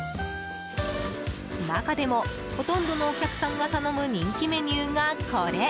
中でも、ほとんどのお客さんが頼む人気メニューがこれ。